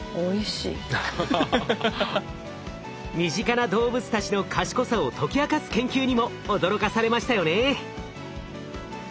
身近な動物たちの賢さを解き明かす研究にも驚かされましたよね。